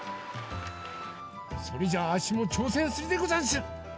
それじゃああっしもちょうせんするでござんす！